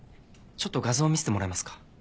ちょっと画像見せてもらえますか？